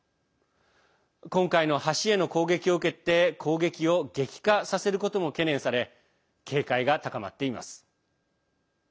今回の橋への攻撃を受けて攻撃を激化させることも懸念され警戒が高まっています。